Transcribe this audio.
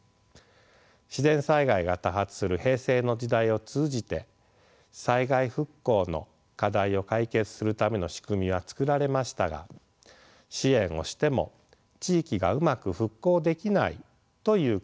自然災害が多発する平成の時代を通じて災害復興の課題を解決するための仕組みはつくられましたが支援をしても地域がうまく復興できないという課題が残されました。